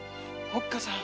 おっかさん。